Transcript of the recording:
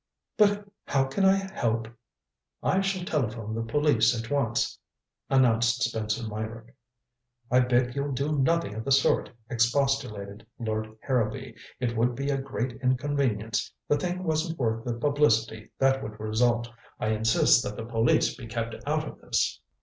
"But how can I help " "I shall telephone the police at once," announced Spencer Meyrick. "I beg you'll do nothing of the sort," expostulated Lord Harrowby. "It would be a great inconvenience the thing wasn't worth the publicity that would result. I insist that the police be kept out of this."